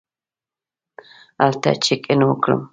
هلته چېک اېن وکړم.